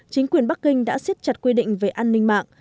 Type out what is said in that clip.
chính quyền bắc kinh đã siết chặt quy định về an ninh mạng